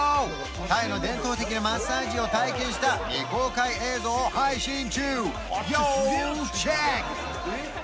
タイの伝統的なマッサージを体験した未公開映像を配信中要チェック！